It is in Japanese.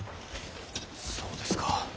そうですか。